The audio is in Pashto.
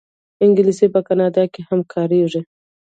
انګلیسي په کاناډا کې هم کارېږي